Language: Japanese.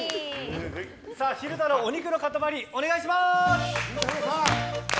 昼太郎、お肉の塊お願いします！